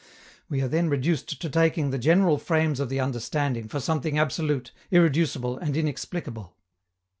We are then reduced to taking the general frames of the understanding for something absolute, irreducible and inexplicable.